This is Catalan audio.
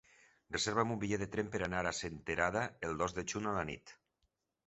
Reserva'm un bitllet de tren per anar a Senterada el dos de juny a la nit.